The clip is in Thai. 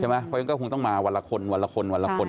เพราะฉะนั้นก็คงต้องมาวันละคนวันละคนวันละคน